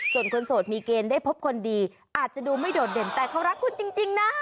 ส่วนคนโสดมีเกณฑ์ได้พบคนดีอาจจะดูไม่โดดเด่นแต่เขารักคุณจริงนะ